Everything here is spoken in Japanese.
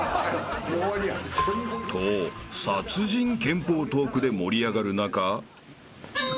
［と殺人拳法トークで盛り上がる中］